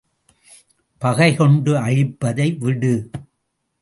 பகை கொண்டு அழிப்பதை விடு.